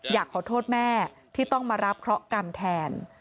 อยากขอโทษแม่ที่ต้องมารับเคราะห์กรรมแทน